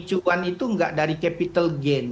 cuan itu nggak dari capital gain